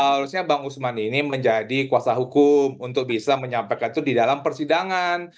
harusnya bang usman ini menjadi kuasa hukum untuk bisa menyampaikan itu di dalam persidangan